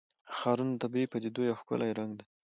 ښارونه د طبیعي پدیدو یو ښکلی رنګ دی.